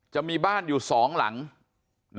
จะมีบ้านอยู่สองหลังนะปลูกอยู่ในเนื้อที่เดียวกัน